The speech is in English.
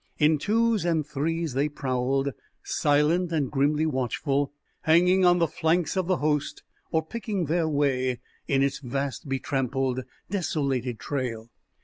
In twos and threes they prowled, silent and grimly watchful, hanging on the flanks of the host or picking their way in its vast, betrampled, desolated trail.